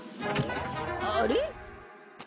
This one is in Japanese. あれ？